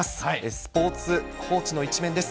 スポーツ報知の１面です。